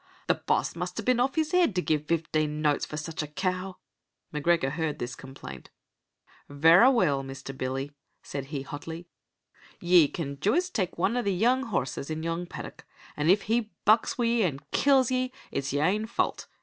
"The boss must have been off his head to give fifteen notes for such a cow." M'Gregor heard this complaint. "Verra weel, Mr. Billy," said he, hotly, "ye can juist tak' ane of the young horrses in yon paddock, an' if he bucks wi' ye an' kills ye, it's yer ain fault.